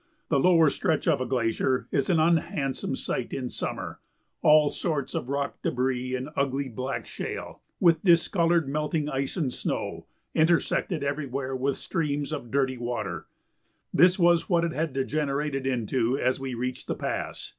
The lower stretch of a glacier is an unhandsome sight in summer: all sorts of rock débris and ugly black shale, with discolored melting ice and snow, intersected everywhere with streams of dirty water this was what it had degenerated into as we reached the pass.